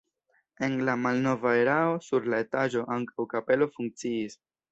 En la malnova erao sur la etaĝo ankaŭ kapelo funkciis.